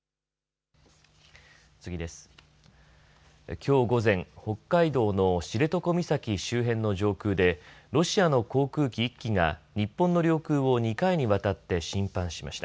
きょう午前、北海道の知床岬周辺の上空でロシアの航空機１機が日本の領空を２回にわたって侵犯しました。